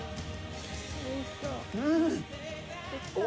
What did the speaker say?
うん！